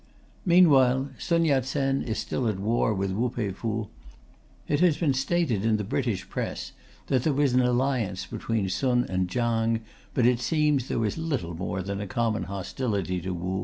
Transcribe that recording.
Meanwhile, Sun Yat Sen is still at war with Wu Pei Fu. It has been stated in the British Press that there was an alliance between Sun and Chang, but it seems there was little more than a common hostility to Wu.